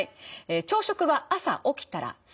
朝食は朝起きたらすぐ。